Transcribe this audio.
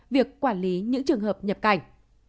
việc quản lý những trường hợp nhập cảnh